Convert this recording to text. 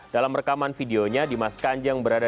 karena teraka dengan vogstarter amerika